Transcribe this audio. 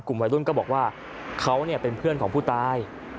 วัยรุ่นก็บอกว่าเขาเป็นเพื่อนของผู้ตาย